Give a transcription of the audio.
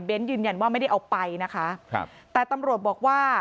ยืนยันว่าไม่ได้เอาไปนะคะครับแต่ตำรวจบอกว่า